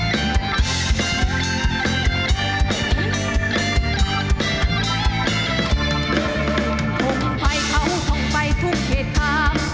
ทงไฟเขาทงไปทุกเหตุภาพ